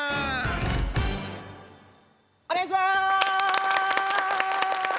お願いします！